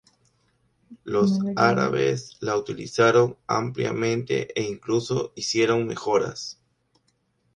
Los árabes la utilizaron ampliamente e incluso hicieron mejoras.